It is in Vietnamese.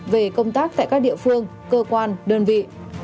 về công tác tại các địa phương cơ quan đơn vị